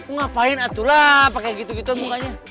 ngapain atuh lah pakai gitu gitu mukanya